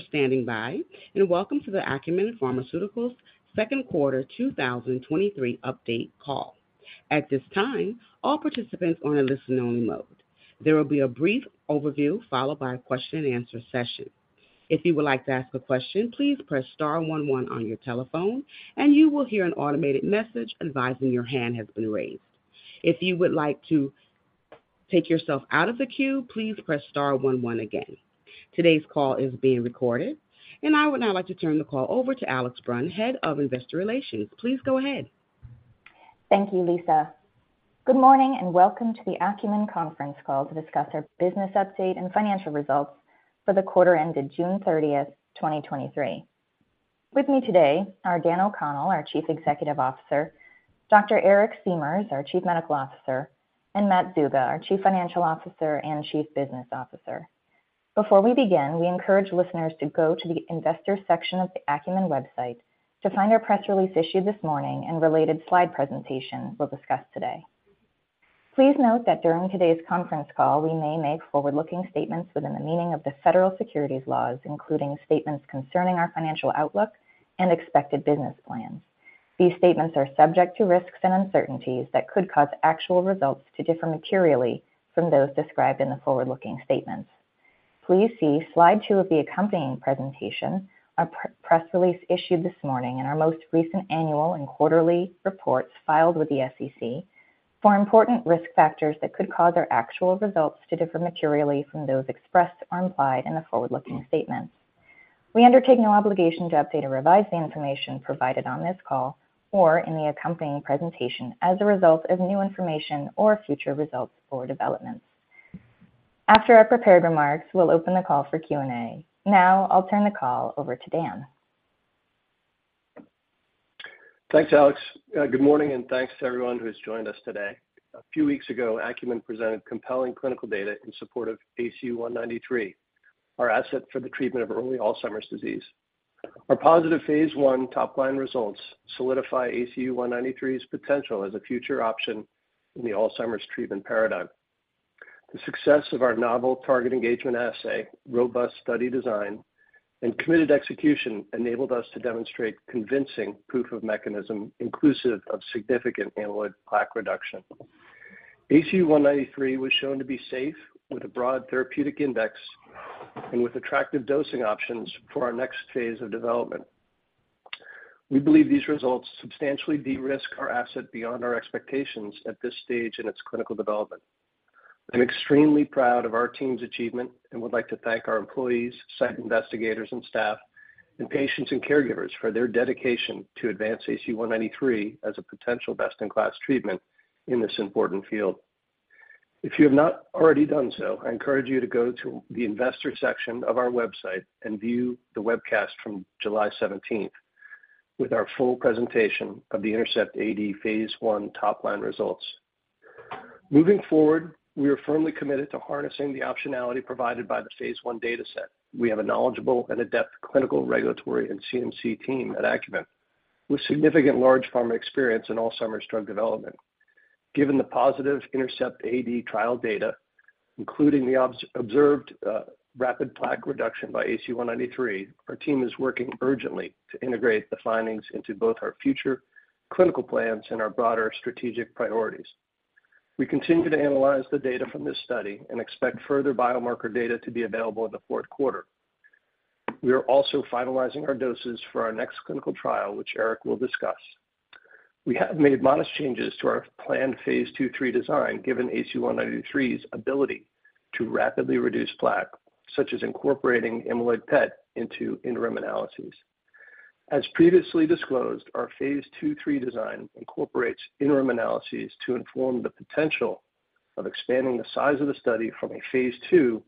Thank you for standing by. Welcome to the Acumen Pharmaceuticals second quarter 2023 update call. At this time, all participants are in a listen-only mode. There will be a brief overview followed by a question-and-answer session. If you would like to ask a question, please press star 1, 1 on your telephone and you will hear an automated message advising your hand has been raised. If you would like to take yourself out of the queue, please press star 1, 1 again. Today's call is being recorded. I would now like to turn the call over to Alex Braun, Head of Investor Relations. Please go ahead. Thank you, Lisa. Good morning, and welcome to the Acumen conference call to discuss our business update and financial results for the quarter ended June thirtieth, 2023. With me today are Dan O'Connell, our Chief Executive Officer; Dr. Eric Siemers, our Chief Medical Officer; and Matt Zuga, our Chief Financial Officer and Chief Business Officer. Before we begin, we encourage listeners to go to the Investors section of the Acumen website to find our press release issued this morning and related slide presentation we'll discuss today. Please note that during today's conference call, we may make forward-looking statements within the meaning of the federal securities laws, including statements concerning our financial outlook and expected business plans. These statements are subject to risks and uncertainties that could cause actual results to differ materially from those described in the forward-looking statements. Please see slide two of the accompanying presentation, our press release issued this morning, and our most recent annual and quarterly reports filed with the SEC for important risk factors that could cause our actual results to differ materially from those expressed or implied in the forward-looking statements. We undertake no obligation to update or revise the information provided on this call or in the accompanying presentation as a result of new information or future results or developments. After our prepared remarks, we'll open the call for Q&A. Now I'll turn the call over to Dan. Thanks, Alex. Good morning, and thanks to everyone who has joined us today. A few weeks ago, Acumen presented compelling clinical data in support of ACU-193, our asset for the treatment of early Alzheimer's disease. Our positive phase I top line results solidify ACU-193's potential as a future option in the Alzheimer's treatment paradigm. The success of our novel target engagement assay, robust study design, and committed execution enabled us to demonstrate convincing proof of mechanism, inclusive of significant amyloid plaque reduction. ACU-193 was shown to be safe with a broad therapeutic index and with attractive dosing options for our next phase of development. We believe these results substantially de-risk our asset beyond our expectations at this stage in its clinical development. I'm extremely proud of our team's achievement and would like to thank our employees, site investigators and staff, and patients and caregivers for their dedication to advance ACU-193 as a potential best-in-class treatment in this important field. If you have not already done so, I encourage you to go to the Investor section of our website and view the webcast from July 17th, with our full presentation of the INTERCEPT-AD phase I top-line results. Moving forward, we are firmly committed to harnessing the optionality provided by the phase I dataset. We have a knowledgeable and adept clinical, regulatory, and CMC team at Acumen, with significant large pharma experience in Alzheimer's drug development. Given the positive INTERCEPT-AD trial data, including the observed rapid plaque reduction by ACU-193, our team is working urgently to integrate the findings into both our future clinical plans and our broader strategic priorities. We continue to analyze the data from this study and expect further biomarker data to be available in the fourth quarter. We are also finalizing our doses for our next clinical trial, which Eric will discuss. We have made modest changes to our planned Phase II III design, given ACU-193's ability to rapidly reduce plaque, such as incorporating amyloid PET into interim analyses. As previously disclosed, our Phase II III design incorporates interim analyses to inform the potential of expanding the size of the study from a Phase II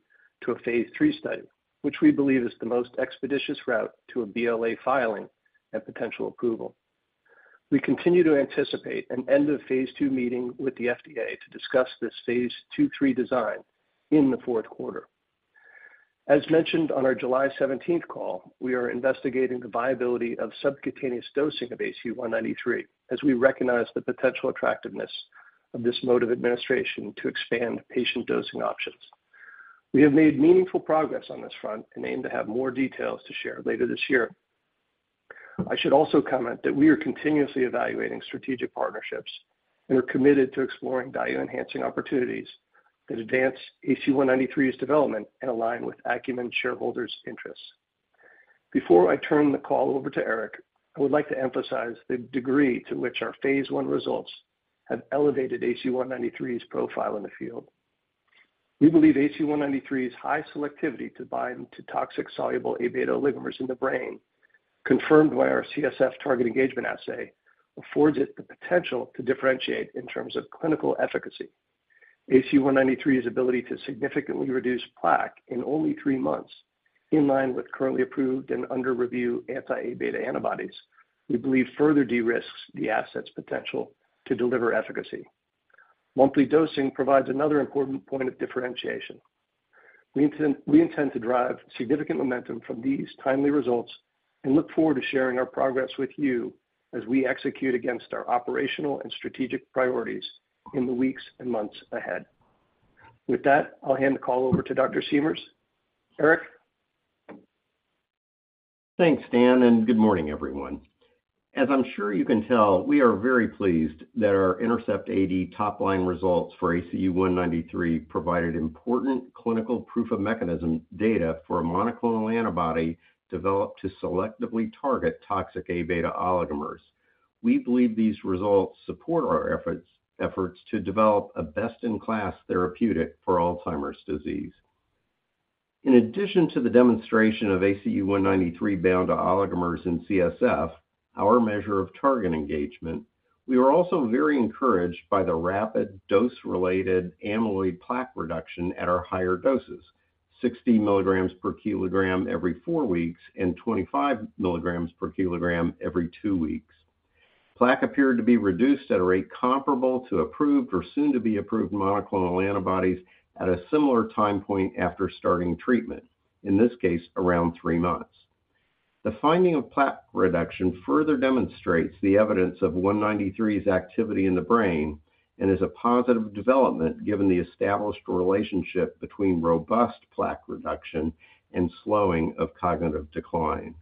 to a Phase III study, which we believe is the most expeditious route to a BLA filing and potential approval. We continue to anticipate an end-of-Phase II meeting with the FDA to discuss this Phase II III design in the fourth quarter. As mentioned on our July 17th call, we are investigating the viability of subcutaneous dosing of ACU-193, as we recognize the potential attractiveness of this mode of administration to expand patient dosing options. We have made meaningful progress on this front and aim to have more details to share later this year. I should also comment that we are continuously evaluating strategic partnerships and are committed to exploring value-enhancing opportunities that advance ACU-193's development and align with Acumen shareholders' interests. Before I turn the call over to Eric, I would like to emphasize the degree to which our phase I results have elevated ACU-193's profile in the field. We believe ACU-193's high selectivity to bind to toxic soluble Aβ oligomers in the brain, confirmed by our CSF target engagement assay, affords it the potential to differentiate in terms of clinical efficacy. ACU-193's ability to significantly reduce plaque in only three months, in line with currently approved and under review anti-amyloid-beta antibodies, we believe further de-risks the asset's potential to deliver efficacy. Monthly dosing provides another important point of differentiation. We intend to drive significant momentum from these timely results and look forward to sharing our progress with you as we execute against our operational and strategic priorities in the weeks and months ahead. With that, I'll hand the call over to Dr. Siemers. Eric? Thanks, Dan. Good morning, everyone. As I'm sure you can tell, we are very pleased that our INTERCEPT-AD top-line results for ACU-193 provided important clinical proof-of-mechanism data for a monoclonal antibody developed to selectively target toxic Aβ oligomers. We believe these results support our efforts, efforts to develop a best-in-class therapeutic for Alzheimer's disease. In addition to the demonstration of ACU-193 bound to oligomers in CSF, our measure of target engagement, we were also very encouraged by the rapid dose-related amyloid plaque reduction at our higher doses, 60 milligrams per kilogram every 4 weeks, and 25 milligrams per kilogram every 2 weeks. Plaque appeared to be reduced at a rate comparable to approved or soon-to-be-approved monoclonal antibodies at a similar time point after starting treatment, in this case, around 3 months. The finding of plaque reduction further demonstrates the evidence of 193's activity in the brain and is a positive development given the established relationship between robust plaque reduction and slowing of cognitive decline.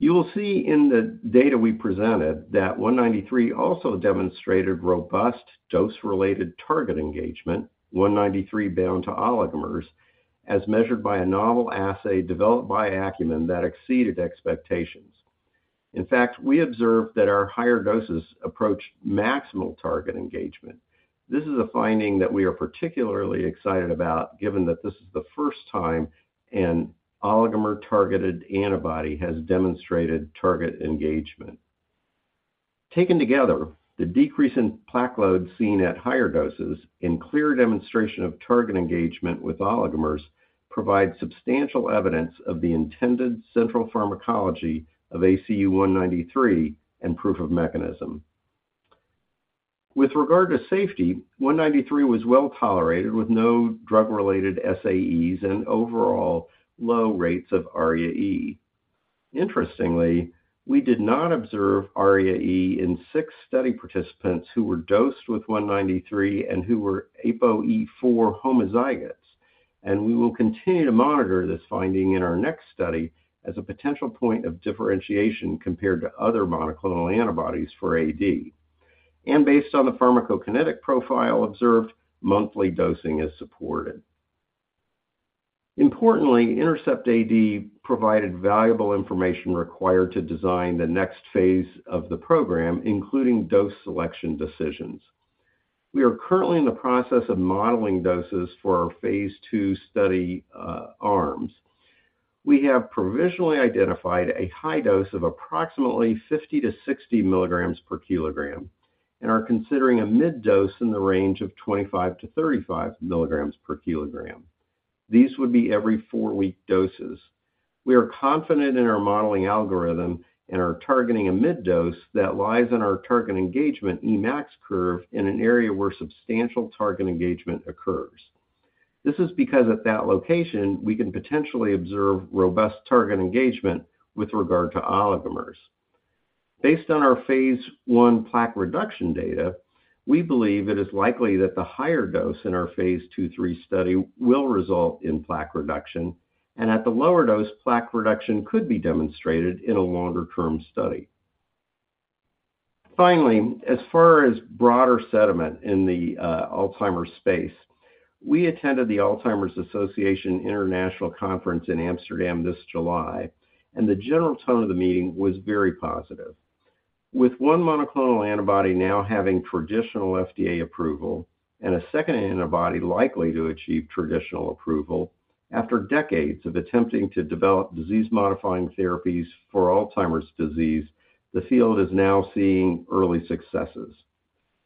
You will see in the data we presented that 193 also demonstrated robust dose-related target engagement, 193 bound to oligomers, as measured by a novel assay developed by Acumen that exceeded expectations. In fact, we observed that our higher doses approached maximal target engagement. This is a finding that we are particularly excited about, given that this is the first time an oligomer-targeted antibody has demonstrated target engagement. Taken together, the decrease in plaque load seen at higher doses and clear demonstration of target engagement with oligomers provide substantial evidence of the intended central pharmacology of ACU-193 and proof of mechanism. With regard to safety, ACU-193 was well tolerated, with no drug-related SAEs and overall low rates of ARIA-E. Interestingly, we did not observe ARIA-E in six study participants who were dosed with ACU-193 and who were APOE4 homozygotes. We will continue to monitor this finding in our next study as a potential point of differentiation compared to other monoclonal antibodies for AD. Based on the pharmacokinetic profile observed, monthly dosing is supported. Importantly, INTERCEPT-AD provided valuable information required to design the next phase of the program, including dose selection decisions. We are currently in the process of modeling doses for our phase II study arms. We have provisionally identified a high dose of approximately 50-60 milligrams per kilogram and are considering a mid dose in the range of 25-35 milligrams per kilogram. These would be every 4-week doses. We are confident in our modeling algorithm and are targeting a mid dose that lies in our target engagement Emax curve in an area where substantial target engagement occurs. This is because at that location, we can potentially observe robust target engagement with regard to oligomers. Based on our phase One plaque reduction data, we believe it is likely that the higher dose in our phase Two/Three study will result in plaque reduction, and at the lower dose, plaque reduction could be demonstrated in a longer-term study. Finally, as far as broader sentiment in the Alzheimer's space, we attended the Alzheimer's Association International Conference in Amsterdam this July, and the general tone of the meeting was very positive. With one monoclonal antibody now having traditional FDA approval and a second antibody likely to achieve traditional approval, after decades of attempting to develop disease-modifying therapies for Alzheimer's disease, the field is now seeing early successes.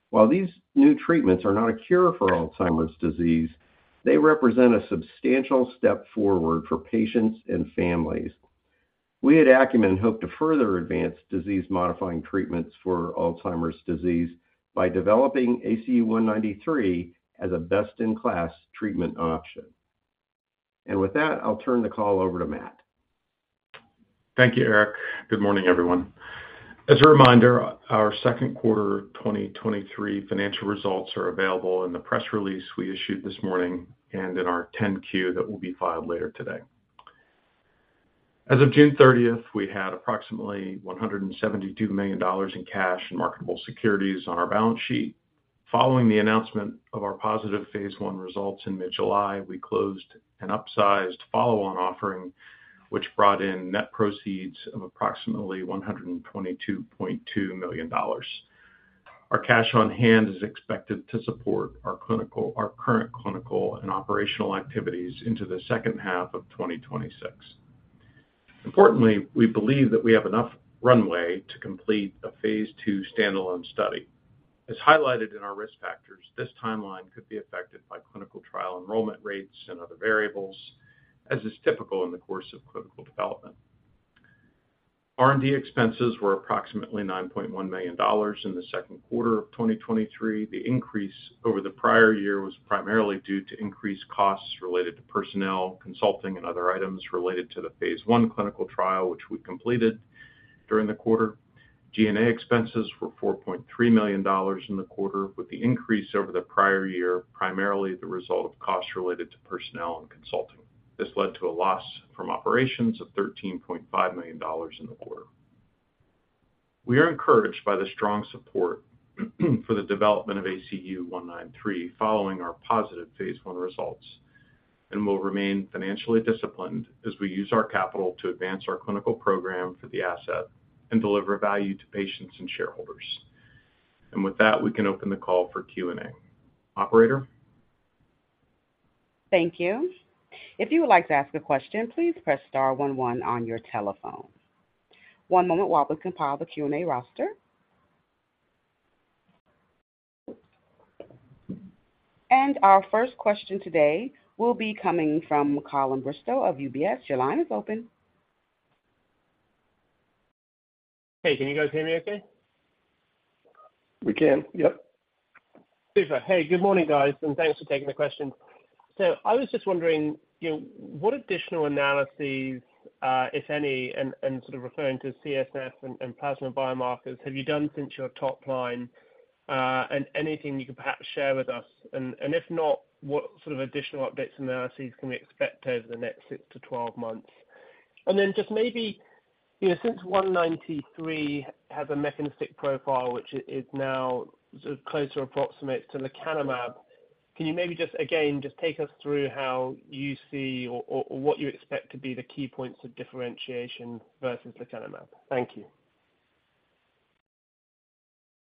While these new treatments are not a cure for Alzheimer's disease, they represent a substantial step forward for patients and families. We at Acumen hope to further advance disease-modifying treatments for Alzheimer's disease by developing ACU-193 as a best-in-class treatment option. With that, I'll turn the call over to Matt. Thank you, Eric. Good morning, everyone. As a reminder, our second quarter 2023 financial results are available in the press release we issued this morning and in our 10-Q that will be filed later today. As of June 30th, we had approximately $172 million in cash and marketable securities on our balance sheet. Following the announcement of our positive Phase 1 results in mid-July, we closed an upsized follow-on offering, which brought in net proceeds of approximately $122.2 million. Our cash on hand is expected to support our current clinical and operational activities into the second half of 2026. Importantly, we believe that we have enough runway to complete a Phase 2 standalone study. As highlighted in our risk factors, this timeline could be affected by clinical trial enrollment rates and other variables, as is typical in the course of clinical development. R&D expenses were approximately $9.1 million in the second quarter of 2023. The increase over the prior year was primarily due to increased costs related to personnel, consulting, and other items related to the phase 1 clinical trial, which we completed during the quarter. G&A expenses were $4.3 million in the quarter, with the increase over the prior year, primarily the result of costs related to personnel and consulting. This led to a loss from operations of $13.5 million in the quarter. We are encouraged by the strong support for the development of ACU-193 following our positive phase I results, and we'll remain financially disciplined as we use our capital to advance our clinical program for the asset and deliver value to patients and shareholders. With that, we can open the call for Q&A. Operator? Thank you. If you would like to ask a question, please press star 11 on your telephone. One moment while we compile the Q&A roster. Our first question today will be coming from Colin Bristow of UBS. Your line is open. Hey, can you guys hear me okay? We can. Yep. Super. Hey, good morning, guys, and thanks for taking the question. I was just wondering, you know, what additional analyses, if any, and, and sort of referring to CSF and, and plasma biomarkers, have you done since your top line? Anything you could perhaps share with us? If not, what sort of additional updates and analyses can we expect over the next 6-12 months? Just maybe, you know, since 193 has a mechanistic profile, which is now sort of close or approximate to lecanemab, can you maybe just, again, just take us through how you see or, or what you expect to be the key points of differentiation versus lecanemab? Thank you.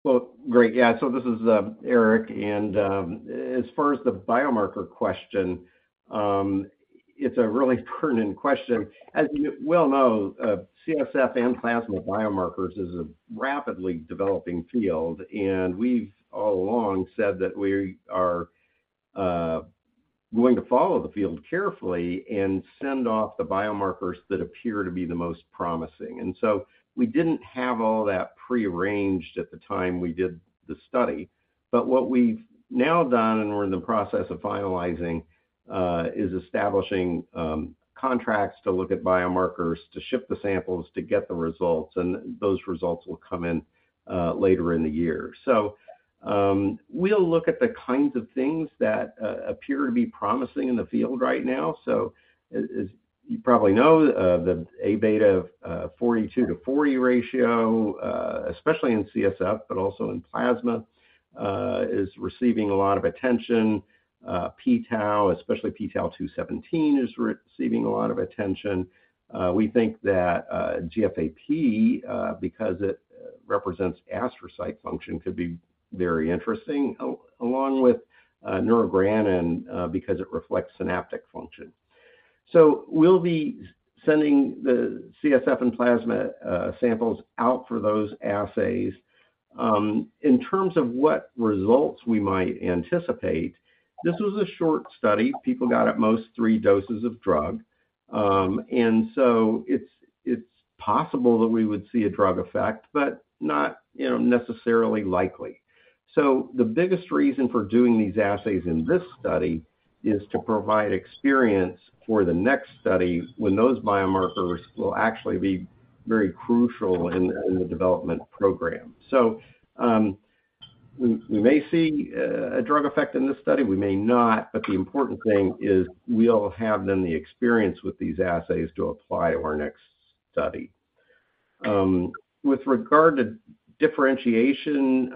Well, great. Yeah. So this is Eric, and as far as the biomarker question, it's a really pertinent question. As you well know, CSF and plasma biomarkers is a rapidly developing field, and we've all along said that we are going to follow the field carefully and send off the biomarkers that appear to be the most promising. We didn't have all that prearranged at the time we did the study. What we've now done, and we're in the process of finalizing, is establishing contracts to look at biomarkers, to ship the samples, to get the results, and those results will come in later in the year. We'll look at the kinds of things that appear to be promising in the field right now. As, as you probably know, the Aβ42 to 40 ratio, especially in CSF, but also in plasma, is receiving a lot of attention. P-tau, especially p-tau217, is receiving a lot of attention. We think that GFAP, because it represents astrocyte function, could be very interesting, along with neurogranin, because it reflects synaptic function. We'll be sending the CSF and plasma samples out for those assays. In terms of what results we might anticipate, this was a short study. People got, at most, 3 doses of drug. It's possible that we would see a drug effect, but not, you know, necessarily likely. The biggest reason for doing these assays in this study is to provide experience for the next study, when those biomarkers will actually be very crucial in, in the development program. We, we may see a, a drug effect in this study, we may not, but the important thing is we'll have then the experience with these assays to apply to our next study. With regard to differentiation,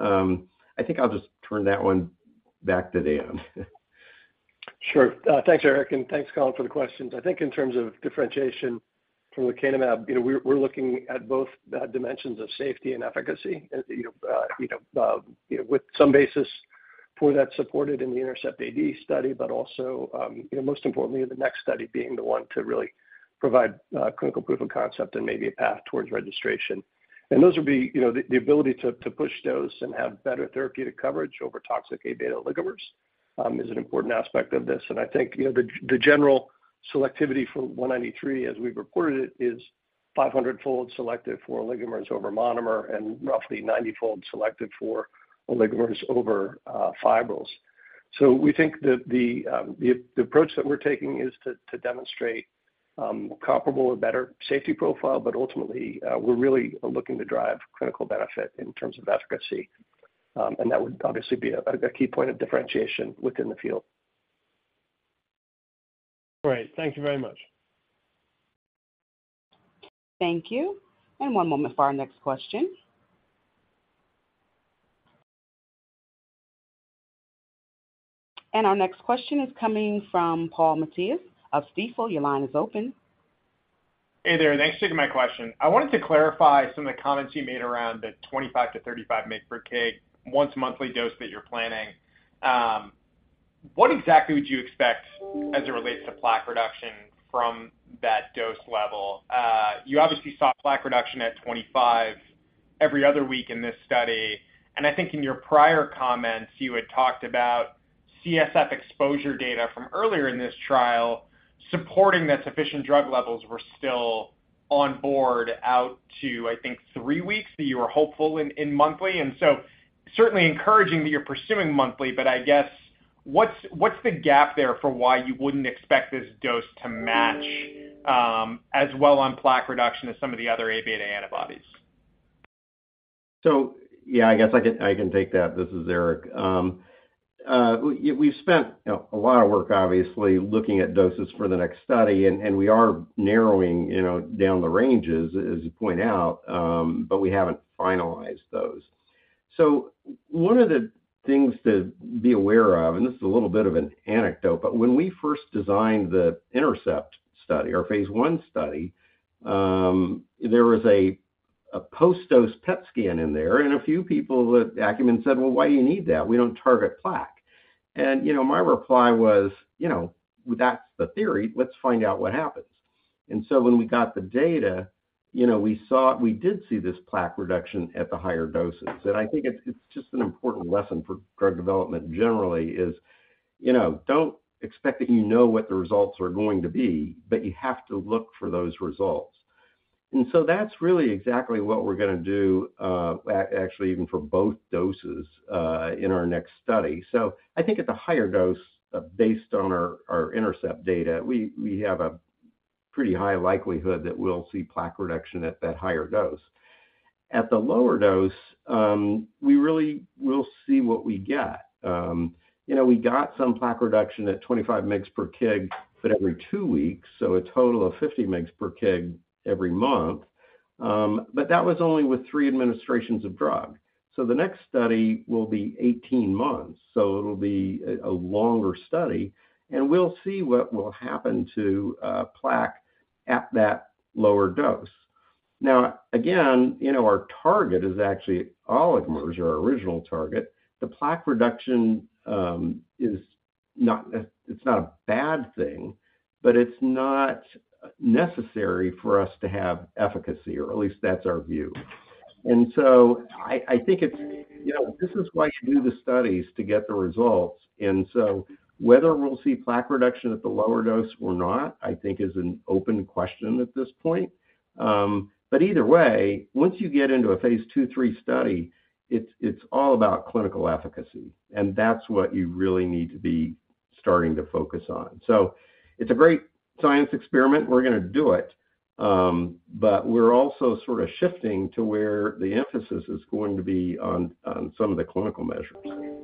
I think I'll just turn that one back to Dan. Sure. thanks, Eric, and thanks, Colin, for the questions. I think in terms of differentiation from lecanemab, you know, we're, we're looking at both the dimensions of safety and efficacy, you know, you know, with some basis for that supported in the INTERCEPT-AD study, but also, you know, most importantly, in the next study being the one to really provide clinical proof of concept and maybe a path towards registration. Those would be, you know, the, the ability to, to push dose and have better therapeutic coverage over toxic Aβ oligomers, is an important aspect of this. I think, you know, the, the general selectivity for 193, as we've reported it, is 500-fold selective for oligomers over monomer, and roughly 90-fold selective for oligomers over fibrils. We think that the, the approach that we're taking is to, to demonstrate comparable or better safety profile, but ultimately, we're really looking to drive clinical benefit in terms of efficacy. That would obviously be a, a key point of differentiation within the field. Great. Thank you very much. Thank you. One moment for our next question. Our next question is coming from Paul Matteis of Stifel. Your line is open. Hey there, thanks for taking my question. I wanted to clarify some of the comments you made around the 25 to 35 mg per kg once monthly dose that you're planning. What exactly would you expect as it relates to plaque reduction from that dose level? You obviously saw plaque reduction at 25 every other week in this study, and I think in your prior comments, you had talked about CSF exposure data from earlier in this trial supporting that sufficient drug levels were still on board out to, I think, 3 weeks, that you were hopeful in, in monthly. Certainly encouraging that you're pursuing monthly, but what's the gap there for why you wouldn't expect this dose to match as well on plaque reduction as some of the other Aβ antibodies? Yeah, I guess I can, I can take that. This is Eric. We've spent, you know, a lot of work obviously looking at doses for the next study, and we are narrowing, you know, down the ranges, as you point out, but we haven't finalized those. One of the things to be aware of, and this is a little bit of an anecdote, but when we first designed the INTERCEPT-AD study, our phase I study, there was a, a post-dose PET scan in there, and a few people at Acumen said, "Well, why do you need that? We don't target plaque." You know, my reply was: You know, that's the theory. Let's find out what happens. When we got the data, you know, we did see this plaque reduction at the higher doses. I think it's, it's just an important lesson for drug development generally is, you know, don't expect that you know what the results are going to be, but you have to look for those results. That's really exactly what we're gonna do, actually even for both doses, in our next study. I think at the higher dose, based on our, our INTERCEPT-AD data, we, we have a pretty high likelihood that we'll see plaque reduction at that higher dose. At the lower dose, we really will see what we get. You know, we got some plaque reduction at 25 mgs per kg, but every two weeks, so a total of 50 mgs per kg every month. That was only with three administrations of drug. The next study will be 18 months, so it'll be a, a longer study, and we'll see what will happen to plaque at that lower dose. Now, again, you know, our target is actually oligomers, our original target. The plaque reduction is not, it's not a bad thing, but it's not necessary for us to have efficacy, or at least that's our view. I, I think it's, you know, this is why you do the studies to get the results. Whether we'll see plaque reduction at the lower dose or not, I think is an open question at this point. But either way, once you get into a phase 2, 3 study, it's, it's all about clinical efficacy, and that's what you really need to be starting to focus on. It's a great science experiment, and we're gonna do it. We're also sort of shifting to where the emphasis is going to be on, on some of the clinical measures.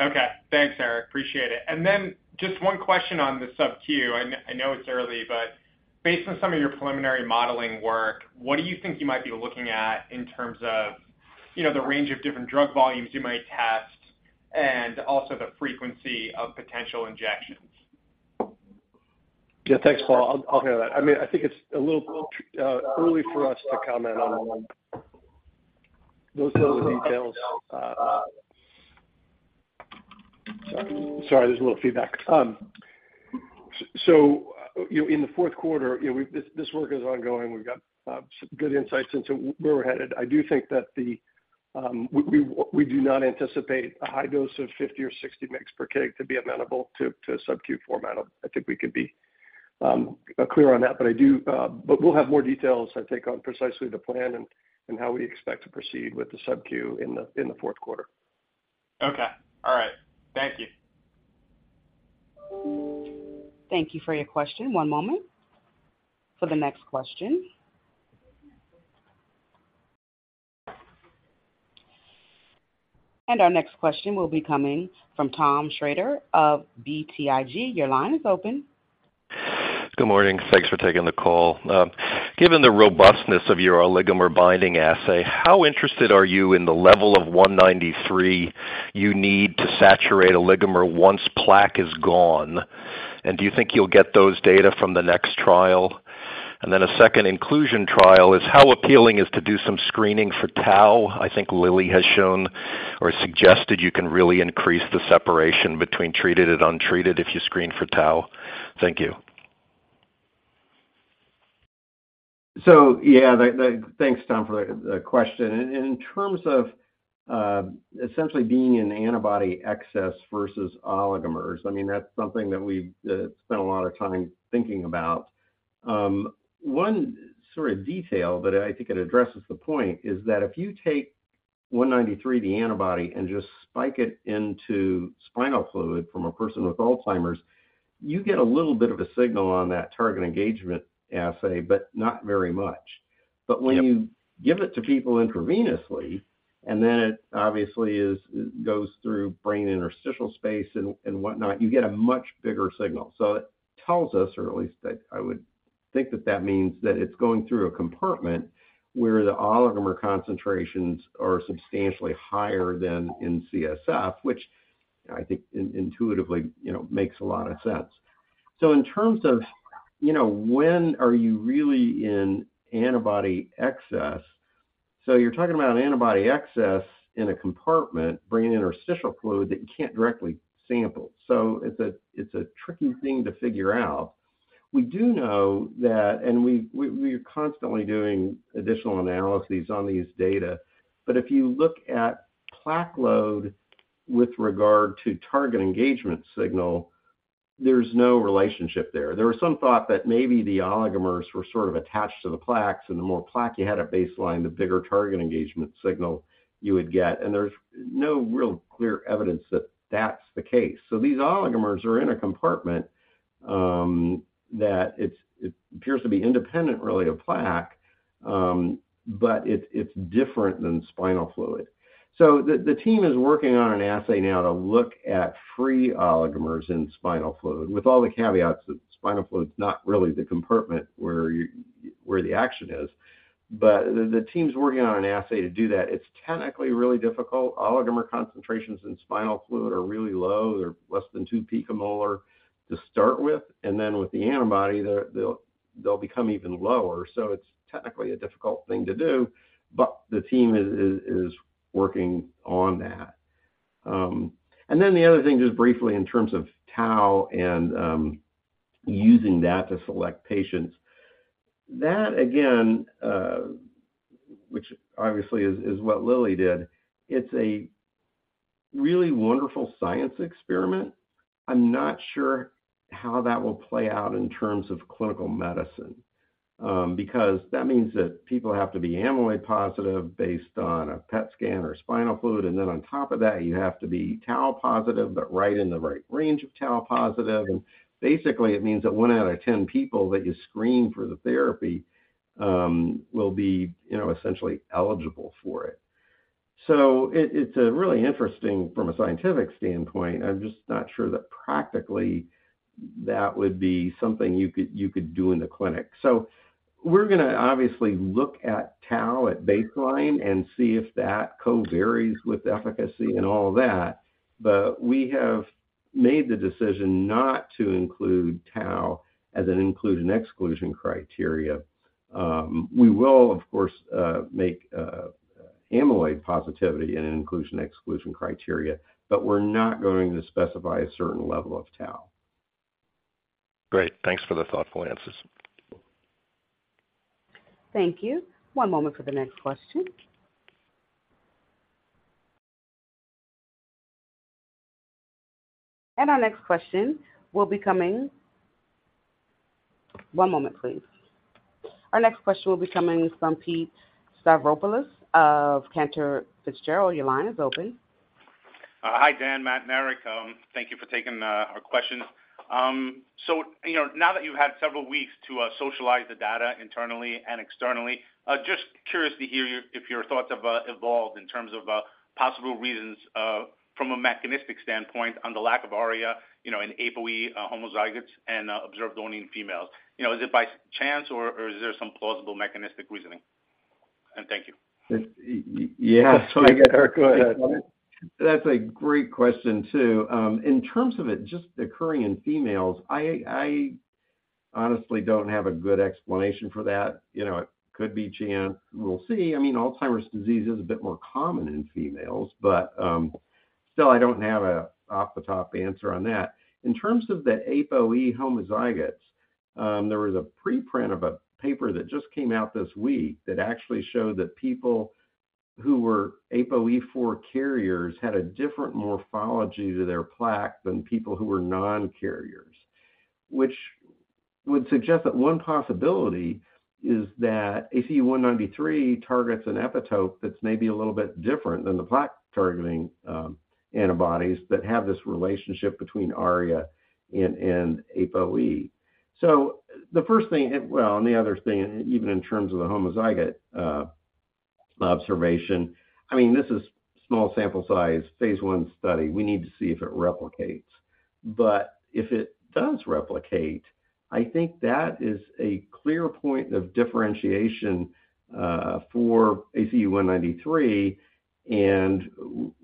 Okay. Thanks, Eric. Appreciate it. Then just one question on the subcu. I know it's early, but based on some of your preliminary modeling work, what do you think you might be looking at in terms of, you know, the range of different drug volumes you might test, and also the frequency of potential injections? Yeah, thanks, Paul. I'll, I'll handle that. I mean, I think it's a little early for us to comment on those sort of details. Sorry, there's a little feedback. You know, in the fourth quarter, you know, this work is ongoing. We've got some good insights into where we're headed. I do think that we do not anticipate a high dose of 50 or 60 mg per kg to be amenable to a subcu format. I think we could be clear on that, but I do. We'll have more details, I think, on precisely the plan and how we expect to proceed with the subcu in the fourth quarter. Okay. All right. Thank you. Thank you for your question. 1 moment for the next question. Our next question will be coming from Tom Shrader of BTIG. Your line is open. Good morning. Thanks for taking the call. Given the robustness of your oligomer binding assay, how interested are you in the level of 193 you need to saturate oligomer once plaque is gone? Do you think you'll get those data from the next trial? Then a second inclusion trial is, how appealing is to do some screening for tau? I think Lilly has shown or suggested you can really increase the separation between treated and untreated if you screen for tau. Thank you. Yeah, thanks, Tom, for the question. In terms of, essentially being in antibody excess versus oligomers, I mean, that's something that we've spent a lot of time thinking about. One sort of detail, but I think it addresses the point, is that if you take ACU-193, the antibody, and just spike it into spinal fluid from a person with Alzheimer's, you get a little bit of a signal on that target engagement assay, but not very much. Yep. When you give it to people intravenously, then it obviously goes through brain interstitial space and whatnot, you get a much bigger signal. It tells us, or at least I would think that that means that it's going through a compartment where the oligomer concentrations are substantially higher than in CSF, which I think intuitively, you know, makes a lot of sense. In terms of, you know, when are you really in antibody excess? You're talking about an antibody excess in a compartment, brain interstitial fluid, that you can't directly sample. It's a tricky thing to figure out. We do know that, and we are constantly doing additional analyses on these data, but if you look at plaque load with regard to target engagement signal. There's no relationship there. There was some thought that maybe the oligomers were sort of attached to the plaques, and the more plaque you had at baseline, the bigger target engagement signal you would get. There's no real clear evidence that that's the case. These oligomers are in a compartment that it's, it appears to be independent, really, of plaque, but it's, it's different than spinal fluid. The team is working on an assay now to look at free oligomers in spinal fluid, with all the caveats that spinal fluid is not really the compartment where you, where the action is. The team's working on an assay to do that. It's technically really difficult. Oligomer concentrations in spinal fluid are really low. They're less than 2 picomolar to start with, and then with the antibody, they're, they'll, they'll become even lower. It's technically a difficult thing to do, but the team is, is, is working on that. The other thing, just briefly in terms of tau and using that to select patients. That, again, which obviously is, is what Lilly did, it's a really wonderful science experiment. I'm not sure how that will play out in terms of clinical medicine, because that means that people have to be amyloid positive based on a PET scan or spinal fluid, and then on top of that, you have to be tau positive, but right in the right range of tau positive. Basically it means that 1 out of 10 people that you screen for the therapy, will be, you know, essentially eligible for it. It, it's really interesting from a scientific standpoint. I'm just not sure that practically that would be something you could, you could do in the clinic. We're gonna obviously look at tau at baseline and see if that co-varies with efficacy and all of that, but we have made the decision not to include tau as an include and exclusion criteria. We will, of course, make amyloid positivity an inclusion, exclusion criteria, but we're not going to specify a certain level of tau. Great. Thanks for the thoughtful answers. Thank you. One moment for the next question. Our next question will be coming... One moment, please. Our next question will be coming from Pete Stavropoulos of Cantor Fitzgerald. Your line is open. Hi, Dan, Matt, and Eric. Thank you for taking our questions. You know, now that you've had several weeks to socialize the data internally and externally, just curious to hear if your thoughts have evolved in terms of possible reasons from a mechanistic standpoint on the lack of ARIA, you know, in APOE homozygotes and observed only in females. You know, is it by chance, or is there some plausible mechanistic reasoning? Thank you. Yes. Go ahead, Eric. Go ahead. That's a great question, too. In terms of it just occurring in females, I, I honestly don't have a good explanation for that. You know, it could be chance. We'll see. I mean, Alzheimer's disease is a bit more common in females, but, still, I don't have a off-the-top answer on that. In terms of the APOE homozygotes, there was a preprint of a paper that just came out this week that actually showed that people who were APOE4 carriers had a different morphology to their plaque than people who were non-carriers, which would suggest that one possibility is that ACU-193 targets an epitope that's maybe a little bit different than the plaque-targeting, antibodies that have this relationship between ARIA and, and APOE. The first thing... Well, the other thing, even in terms of the homozygote observation, I mean, this is small sample size, phase 1 study. We need to see if it replicates. If it does replicate, I think that is a clear point of differentiation for ACU-193, and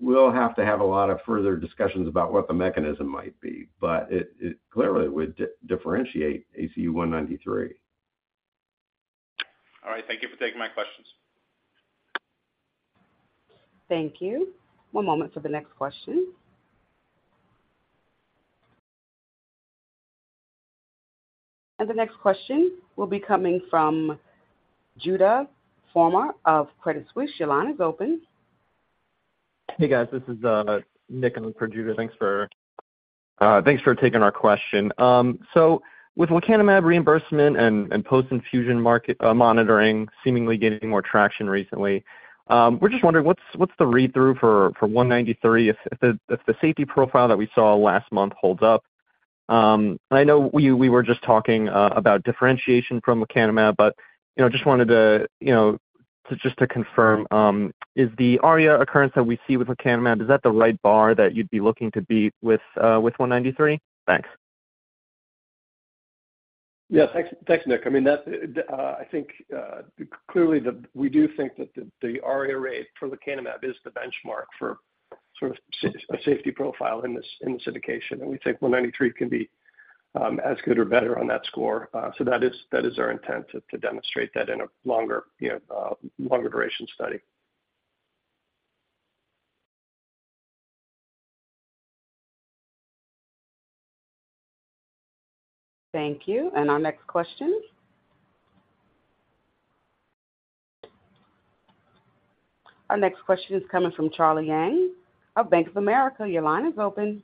we'll have to have a lot of further discussions about what the mechanism might be, but it, it clearly would differentiate ACU-193. All right. Thank you for taking my questions. Thank you. One moment for the next question. The next question will be coming from Judah Frommer of Credit Suisse. Your line is open. Hey, guys, this is Nick in for Judah. Thanks for taking our question. With lecanemab reimbursement and post-infusion market monitoring seemingly gaining more traction recently, we're just wondering, what's the read-through for 193 if the safety profile that we saw last month holds up? I know we were just talking about differentiation from lecanemab, but, you know, just wanted to, just to confirm, is the ARIA occurrence that we see with lecanemab, is that the right bar that you'd be looking to beat with 193? Thanks. Yes, thanks, thanks, Nick. I mean, that's, the... I think, clearly the, we do think that the, the ARIA rate for lecanemab is the benchmark for sort of safety profile in this, in this indication, and we think 193 can be, as good or better on that score. That is, that is our intent, to, to demonstrate that in a longer, you know, longer duration study. Thank you. Our next question? Our next question is coming from Charlie Yang of Bank of America. Your line is open.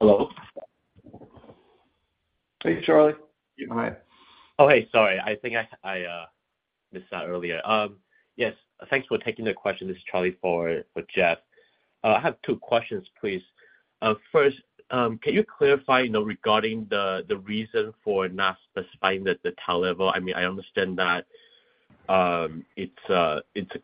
Hello? Hey, Charlie. You all right? Oh, hey, sorry. I think I, I missed that earlier. Yes, thanks for taking the question. This is Charlie for, for Jeff. I have two questions, please. First, can you clarify, you know, regarding the, the reason for not specifying the, the tau level? I mean, I understand that it's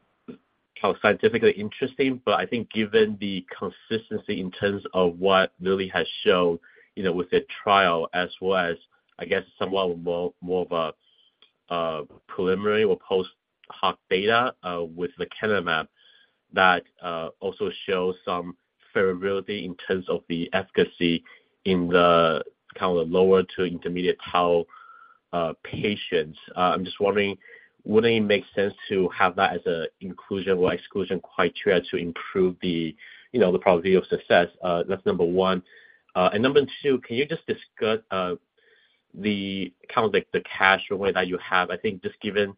scientifically interesting, but I think given the consistency in terms of what Lilly has shown, you know, with their trial, as well as, I guess, somewhat more, more of a preliminary or post-hoc data with lecanemab, that also shows some variability in terms of the efficacy in the kind of lower to intermediate tau patients. I'm just wondering, wouldn't it make sense to have that as an inclusion or exclusion criteria to improve the, you know, the probability of success? That's number one, number 2, can you just discuss the kind of like the cash runway that you have? I think just given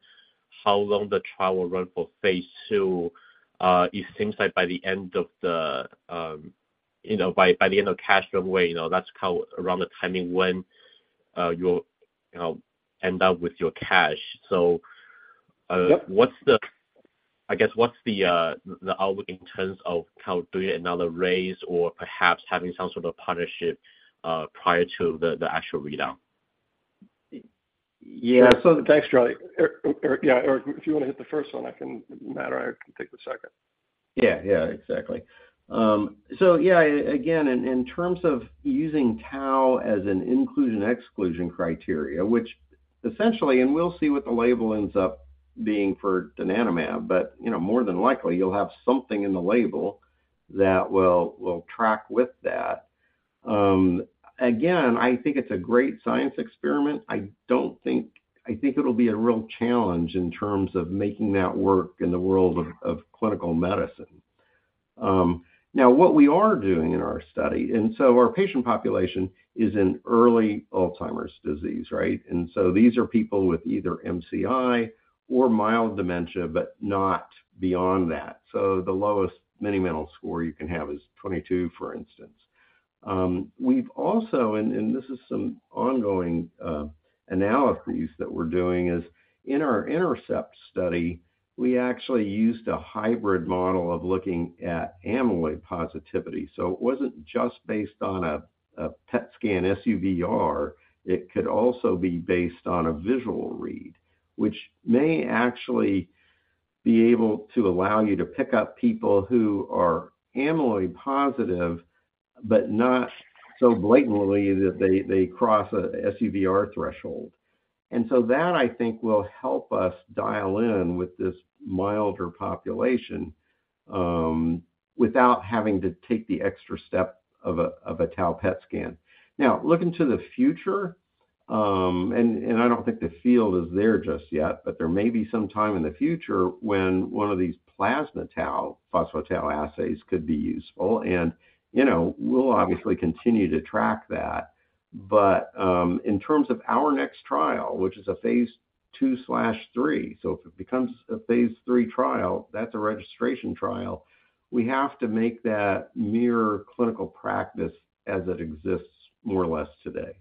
how long the trial will run for phase 2, it seems like by the end of the, you know, by, by the end of cash runway, you know, that's how around the timing when, you'll, you know, end up with your cash. Yep. What's the... I guess, what's the, the outlook in terms of how doing another raise or perhaps having some sort of partnership, prior to the, the actual readout? Yeah. thanks, Charlie. yeah, if you want to hit the first one, I can matter, I can take the second. Yeah, yeah, exactly. Yeah, again, in, in terms of using tau as an inclusion-exclusion criteria, which essentially, and we'll see what the label ends up being for donanemab, but, you know, more than likely, you'll have something in the label that will, will track with that. Again, I think it's a great science experiment. I think it'll be a real challenge in terms of making that work in the world of, of clinical medicine. Now, what we are doing in our study, and our patient population is in early Alzheimer's disease, right? These are people with either MCI or mild dementia, but not beyond that. The lowest mini-mental score you can have is 22, for instance. We've also, and, and this is some ongoing analyses that we're doing, is in our INTERCEPT study, we actually used a hybrid model of looking at amyloid positivity. It wasn't just based on a, a PET scan SUVR, it could also be based on a visual read, which may actually be able to allow you to pick up people who are amyloid positive, but not so blatantly that they, they cross a SUVR threshold. That, I think, will help us dial in with this milder population, without having to take the extra step of a, of a tau PET scan. Now, looking to the future, I don't think the field is there just yet, but there may be some time in the future when one of these plasma tau, phospho-tau assays could be useful, and, you know, we'll obviously continue to track that. In terms of our next trial, which is a Phase 2/3, so if it becomes a Phase 3 trial, that's a registration trial. We have to make that mirror clinical practice as it exists more or less today.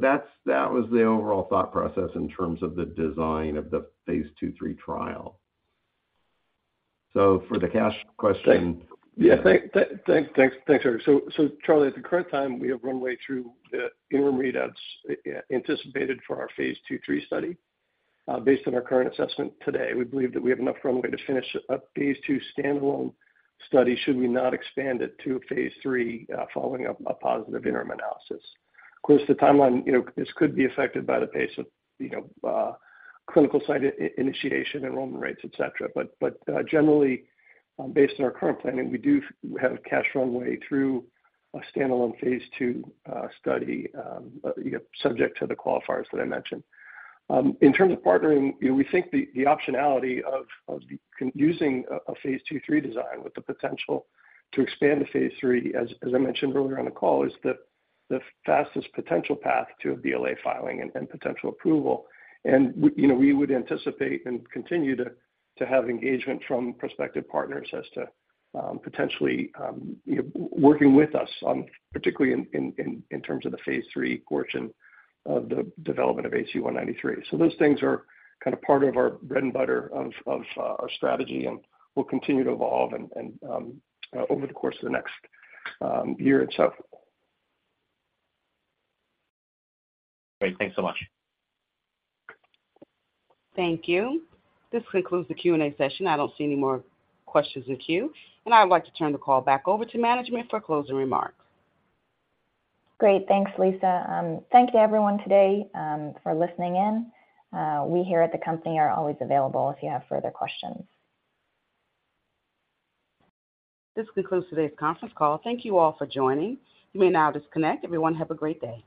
That's, that was the overall thought process in terms of the design of the Phase 2/3 trial. For the cash question- Yeah. Thank, thank, thanks, Eric. Charlie, at the current time, we have runway through the interim readouts anticipated for our phase 2/3 study. Based on our current assessment today, we believe that we have enough runway to finish up phase 2 standalone study, should we not expand it to phase 3, following up a positive interim analysis. Of course, the timeline, you know, this could be affected by the pace of, you know, clinical site initiation, enrollment rates, et cetera. Generally, based on our current planning, we do have a cash runway through a standalone phase 2 study, subject to the qualifiers that I mentioned. In terms of partnering, you know, we think the, the optionality of using a, a phase 2/3 design with the potential to expand to phase 3, as, as I mentioned earlier on the call, is the, the fastest potential path to a BLA filing and potential approval. We, you know, we would anticipate and continue to, to have engagement from prospective partners as to potentially, you know, working with us on, particularly in, in, in, in terms of the phase 3 portion of the development of ACU-193. Those things are kind of part of our bread and butter of our strategy and will continue to evolve and over the course of the next year itself. Great. Thanks so much. Thank you. This concludes the Q&A session. I don't see any more questions in queue, and I'd like to turn the call back over to management for closing remarks. Great. Thanks, Lisa. Thank you everyone today, for listening in. We here at the company are always available if you have further questions. This concludes today's conference call. Thank you all for joining. You may now disconnect. Everyone have a great day.